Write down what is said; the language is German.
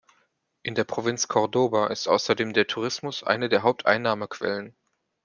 In der Provinz Córdoba ist außerdem der Tourismus eine der Haupteinnahmequellen.